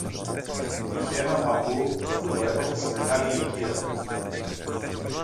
είχε έναν παππού που το έπαθε σε μεγάλη ηλικία